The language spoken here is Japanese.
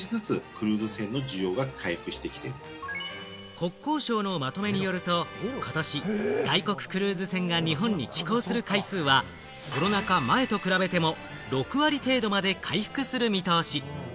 国交省のまとめによると、ことし、外国クルーズ船が日本に寄港する回数は、コロナ禍前と比べても６割程度まで回復する見通し。